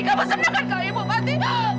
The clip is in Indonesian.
kau seneng kan kalau ibu mati